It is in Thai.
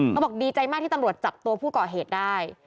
เขาบอกดีใจมากที่ตำรวจจับตัวผู้ก่อเหตุได้